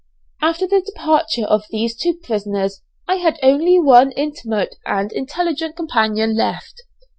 After the departure of these two prisoners I had only one intimate and intelligent companion left.